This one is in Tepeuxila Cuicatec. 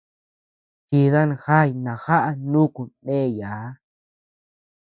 Chidan jañ najaʼa nuku ndeyaa.